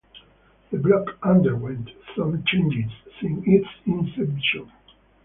The block underwent some changes since its inception.